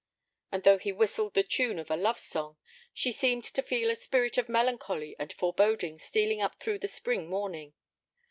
And though he whistled the tune of a love song, she seemed to feel a spirit of melancholy and foreboding stealing up through the spring morning.